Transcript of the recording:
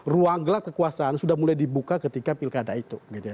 ruang gelap kekuasaan sudah mulai dibuka ketika pilkada itu